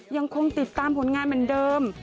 ยังคงติดตามผลงานเหมือนเดิม